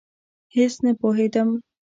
هېڅ نه پوهېدم.